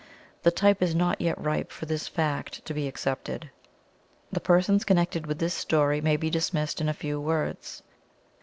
The time is not yet ripe for this fact to be accepted. The persons connected with this story may be dismissed in a few words.